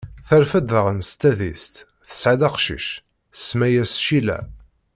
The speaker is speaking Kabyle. Terfed daɣen s tadist, tesɛad aqcic, tsemma-as Cila.